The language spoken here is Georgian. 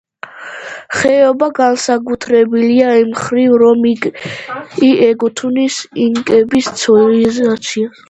ხეობა განსაკუთრებულია იმ მხრივ, რომ იგი ეკუთვნის ინკების ცივილიზაციას.